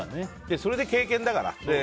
それで経験だから。